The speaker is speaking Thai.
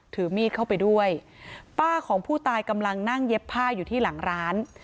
ถือมีดเข้าไปด้วยป้าของผู้ตายกำลังนั่งเย็บผ้าอยู่ที่หลังร้าน